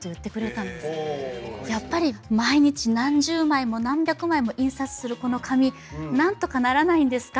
やっぱり毎日何十枚も何百枚も印刷するこの紙なんとかならないんですか？